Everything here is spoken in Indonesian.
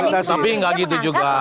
tapi enggak gitu juga